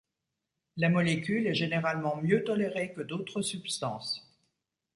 La molécule est généralement mieux tolérée que d'autres substances.